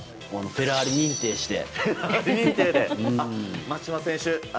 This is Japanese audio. フェラーリ認定して。